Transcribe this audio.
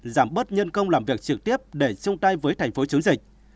giảm bớt nhân công làm việc trực tiếp để chung tay với thành phố chống dịch